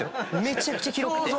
めちゃくちゃ広くて。